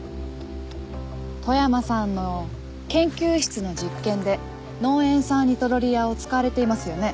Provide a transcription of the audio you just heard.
富山さんの研究室の実験で濃塩酸ニトロリアを使われていますよね。